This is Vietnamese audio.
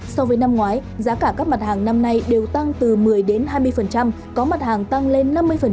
so với năm ngoái giá cả các mặt hàng năm nay đều tăng từ một mươi đến hai mươi có mặt hàng tăng lên năm mươi